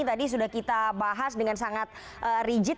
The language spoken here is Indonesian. tadi sudah kita bahas dengan sangat rigid